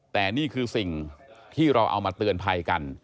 แต่นี่คือสิ่งที่เราเอามาเตือนภัยกัน